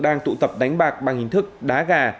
đang tụ tập đánh bạc bằng hình thức đá gà